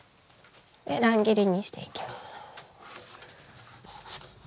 で乱切りにしていきます。